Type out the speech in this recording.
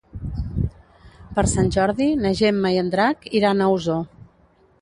Per Sant Jordi na Gemma i en Drac iran a Osor.